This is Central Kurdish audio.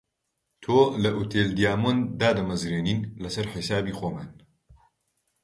تۆ لە ئوتێل دیامۆند دادەمەزرێنین لەسەر حیسابی خۆمان